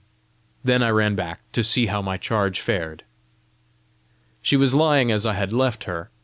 Then I ran back to see how my charge fared. She was lying as I had left her.